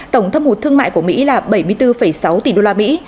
tổng thâm hụt thương mại của mỹ là bảy mươi bốn sáu tỷ đô la mỹ